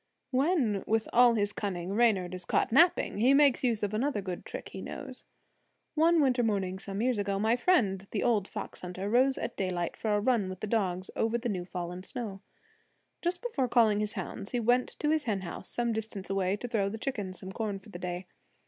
When with all his cunning Reynard is caught napping, he makes use of another good trick he knows. One winter morning some years ago, my friend, the old fox hunter, rose at daylight for a run with the dogs over the new fallen snow. Just before calling his hounds, he went to his hen house, some distance away, to throw the chickens some corn for the day.